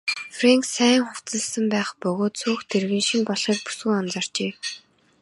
Фрэнк сайн хувцасласан байх бөгөөд сүйх тэрэг нь шинэ болохыг бүсгүй анзаарчээ.